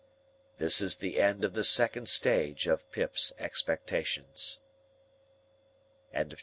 THIS IS THE END OF THE SECOND STAGE OF PIP'S EXPECTATIONS. Chapter XL.